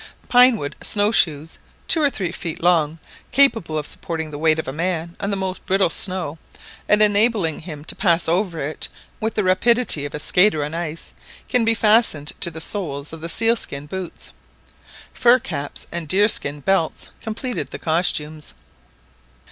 Pine wood snow shoes, two or three feet long, capable of supporting the weight of a man on the most brittle snow, and enabling him to pass over it with the rapidity of a skater on ice, can be fastened to the soles of the seal skin boots. Fur caps and deer skin belts completed the costumes.